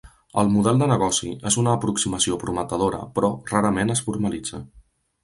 El model de negoci és una aproximació prometedora, però rarament es formalitza.